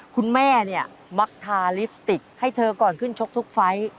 คุณแม่เนี่ยมักทาลิปสติกให้เธอก่อนขึ้นชกทุกไฟล์